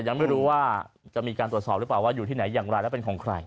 ยังไม่รู้ว่าจะมีการตรวจสอบหรือเปล่าว่าอยู่ที่ไหนอย่างไรและเป็นของใคร